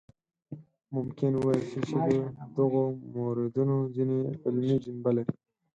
ممکن وویل شي چې له دغو موردونو ځینې علمي جنبه لري.